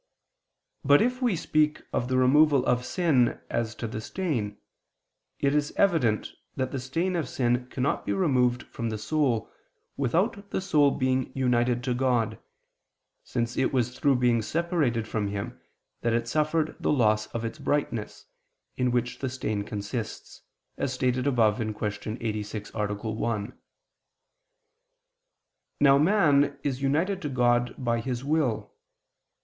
But if we speak of the removal of sin as to the stain, it is evident that the stain of sin cannot be removed from the soul, without the soul being united to God, since it was through being separated from Him that it suffered the loss of its brightness, in which the stain consists, as stated above (Q. 86, A. 1). Now man is united to God by his will.